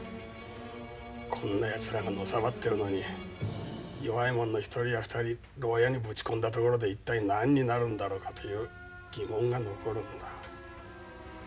こんな奴らがのさばってるのに弱い者の１人や２人牢屋にぶち込んだところで一体何になるんだろうかという疑問が残るんだ。